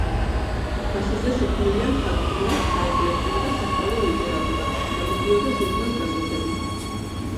მასზე შექმნილია მხატვრული, საეკლესიო და სასწავლო ლიტერატურა, გამოდიოდა ჟურნალ-გაზეთები.